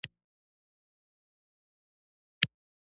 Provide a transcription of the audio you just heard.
دا وخت د امان الملک ورور شېر افضل په کابل کې و.